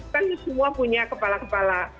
kan semua punya kepala kepala